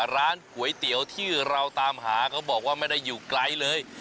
ร้านก๋วยเตี๋ยวที่เราตามหาเขาบอกว่าไม่ได้อยู่ไกลเลย